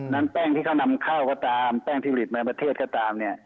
แป้งที่เขานำเข้าก็ตามแป้งที่ผลิตในประเทศก็ตามเนี่ย